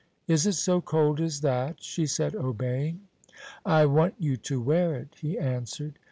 "Is it so cold as that?" she said, obeying. "I want you to wear it," he answered.